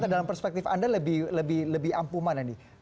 dalam perspektif anda lebih ampuman nih